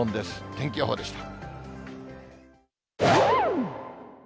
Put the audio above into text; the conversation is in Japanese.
天気予報でした。